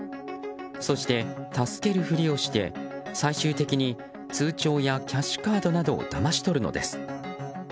そして、助けるふりをして最終的に通帳やキャッシュカードなどをだまし取るのです。